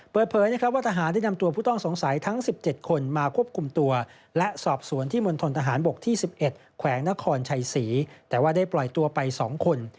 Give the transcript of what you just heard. เปิดเผยนะครับว่าทหารได้นำตัวผู้ต้องสงสัยทั้ง๑๗คนมาควบคุมตัวและสอบสวนที่มณฑนทหารบกที่๑๑แขวงนครชัยศรีแต่ว่าได้ปล่อยตัวไป๒คน